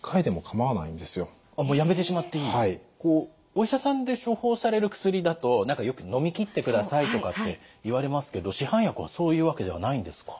お医者さんで処方される薬だと何かよくのみきってくださいとかって言われますけど市販薬はそういうわけではないんですか？